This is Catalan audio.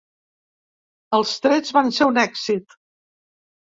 Els trets van ser un èxit.